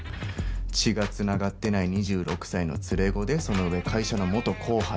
血が繋がってない２６歳の連れ子でその上会社の元後輩。